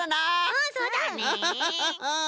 うんそうだね。